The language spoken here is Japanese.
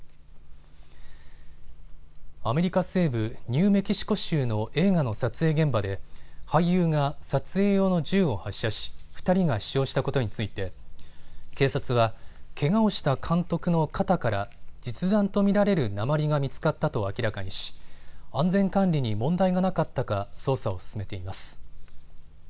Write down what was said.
アメリカ西部ニューメキシコ州の映画の撮影現場で俳優が撮影用の銃を発射し、２人が死傷したことについて警察はけがをした監督の肩から実弾と見られる鉛が見つかったと明らかにし、安全管理に問題がなかったか捜査を進めています。